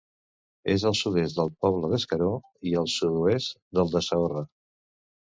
És al sud-est del poble d'Escaró i al sud-oest del de Saorra.